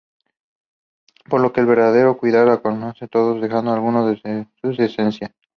Por lo que el verdadero cuidar acontece cuando dejamos a algo en su esencia.